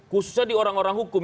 khususnya di orang orang hukum